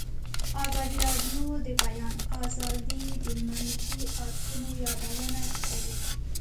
ازادي راډیو د د بیان آزادي د منفي اړخونو یادونه کړې.